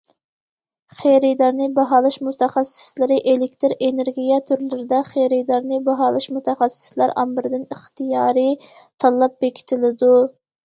خېرىدارنى باھالاش مۇتەخەسسىسلىرى ئېلېكتىر ئېنېرگىيە تۈرلىرىدە خېرىدارنى باھالاش مۇتەخەسسىسلەر ئامبىرىدىن ئىختىيارىي تاللاپ بېكىتىلىدۇ.